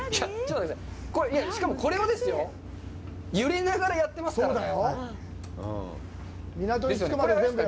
しかも、これをですよ、揺られながらやってますからね！